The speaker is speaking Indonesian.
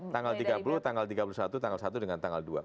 tanggal tiga puluh tanggal tiga puluh satu tanggal satu dengan tanggal dua